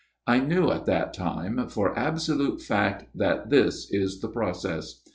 I knew at that time for absolute fact that this is the process.